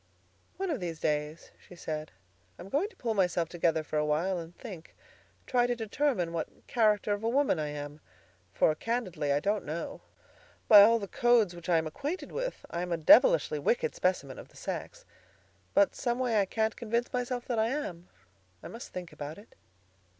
"One of these days," she said, "I'm going to pull myself together for a while and think—try to determine what character of a woman I am; for, candidly, I don't know. By all the codes which I am acquainted with, I am a devilishly wicked specimen of the sex. But some way I can't convince myself that I am. I must think about it."